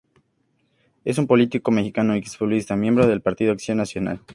Es un político mexicano y ex-futbolista, miembro del Partido Acción Nacional.